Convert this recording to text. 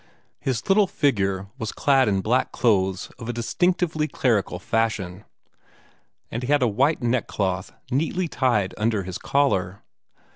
His little figure was clad in black clothes of a distinctively clerical fashion, and he had a white neck cloth neatly tied under his collar.